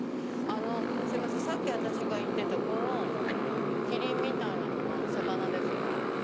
さっき私が言ってたこのキリンみたいなのは魚ですか？